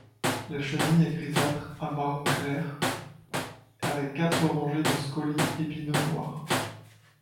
La chenille est grisâtre à marron clair avec quatre rangées de scolis épineux noirs.